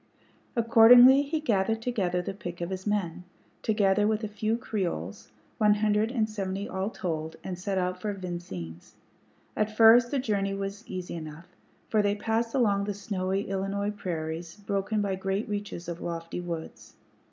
Accordingly he gathered together the pick of his men, together with a few Creoles, one hundred and seventy all told, and set out for Vincennes. At first the journey was easy enough, for they passed across the snowy Illinois prairies, broken by great reaches of lofty woods.